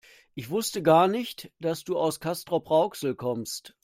Ich wusste gar nicht, dass du aus Castrop-Rauxel kommst